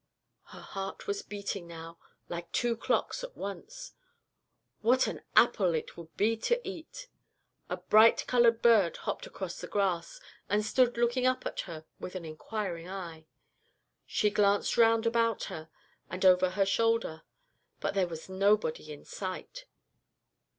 Her heart was beating now like two clocks at once what an apple it would be to eat! A bright coloured bird hopped across the grass, and stood looking up at her with an inquiring eye. She glanced round about her and over her shoulder, but there was nobody in sight.